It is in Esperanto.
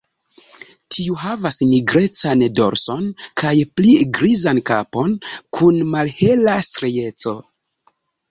Tiu havas nigrecan dorson kaj pli grizan kapon kun malhela strieco.